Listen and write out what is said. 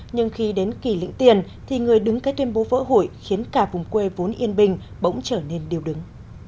nhưng khi đến kỳ lĩnh tiền thì người đứng cái tuyên bố vỡ hội khiến cả vùng quê vốn yên bình bỗng trở nên điều đứng